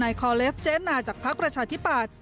นายคอเลฟเจ๊นาจากพลักษณ์ประชาธิปาศ